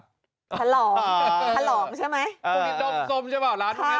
ถล่องถล่องใช่ไหม